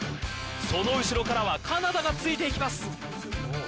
その後ろからはカナダがついていきます。